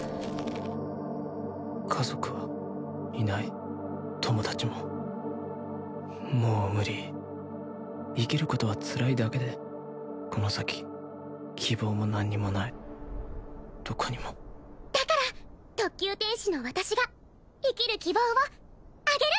家族はいない友達ももう無理生きることはつらいだけでこの先希望も何もないどこにもだから特級天使の私が生きる希望をあげる！